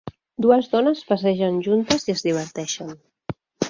Dues dones passegen juntes i es diverteixen.